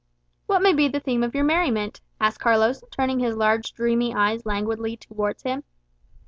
"What may be the theme of your merriment?" asked Carlos, turning his large dreamy eyes languidly towards him.